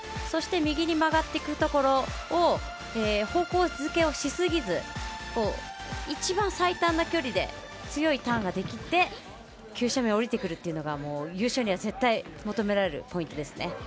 そして右に曲がるところ方向付けをしすぎず一番最短な距離で強いターンができて急斜面下りてくるというのが優勝には絶対求められるポイントですね。